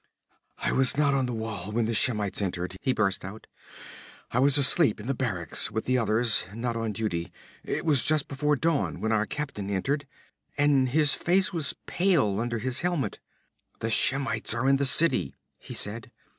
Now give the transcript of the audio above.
'I was not on the wall when the Shemites entered,' he burst out. 'I was asleep in the barracks, with the others not on duty. It was just before dawn when our captain entered, and his face was pale under his helmet. "The Shemites are in the city," he said.